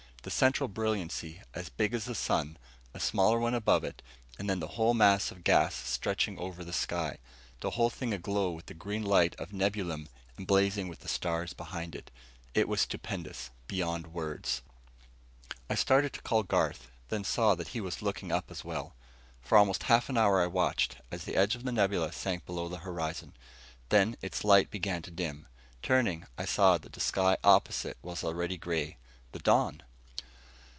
The central brilliancy as big as the sun, a smaller one above it, and then the whole mass of gas stretching over the sky. The whole thing aglow with the green light of nebulium and blazing with the stars behind it. It was stupendous, beyond words. I started to call Garth, then saw that he was looking up as well. For almost half an hour I watched, as the edge of the nebula sank below the horizon. Then its light began to dim. Turning, I saw that the sky opposite was already gray. The dawn!